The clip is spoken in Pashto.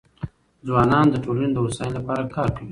ځوانان د ټولنې د هوساینې لپاره کار کوي.